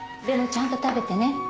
でもちゃんと食べてね。